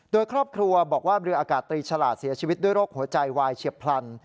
โดยครอบครัวบอกว่าเรืออากาศตรีฉลาดเสียชีวิตด้วยโรคหัวใจวายเฉียบพลัน